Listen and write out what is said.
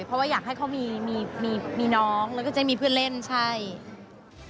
เพราะว่าอยากให้เขามีมีน้องแล้วก็จะได้มีเพื่อนเล่นใช่